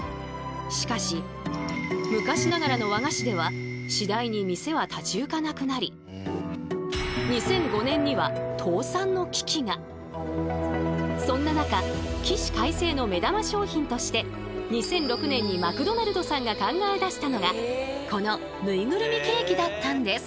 しかし昔ながらの和菓子では次第に店は立ち行かなくなりそんな中起死回生の目玉商品として２００６年にマクドナルドさんが考え出したのがこのぬいぐるみケーキだったんです。